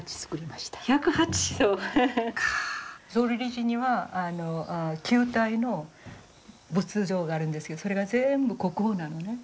浄瑠璃寺には９体の仏像があるんですけどそれが全部国宝なのね。